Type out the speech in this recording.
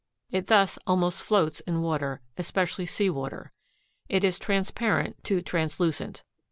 It thus almost floats in water, especially sea water. It is transparent to translucent.